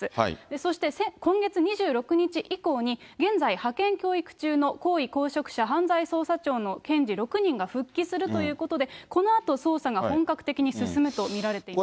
そして今月２６日以降に、現在、派遣教育中の高位公職者犯罪捜査庁の検事６人が復帰するということで、このあと、捜査が本格的に進むと見られています。